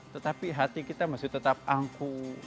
tetapi hati kita masih tetap angku